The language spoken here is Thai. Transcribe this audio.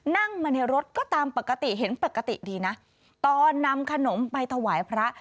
นั่งมาในรถก็ตามปกติเห็นปกติดีนะตอนนำขนมไปถวายพระ